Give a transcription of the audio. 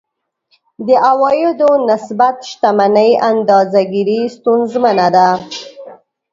د عوایدو نسبت شتمنۍ اندازه ګیري ستونزمنه ده.